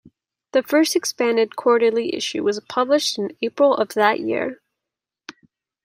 The first expanded quarterly issue was published in April of that year.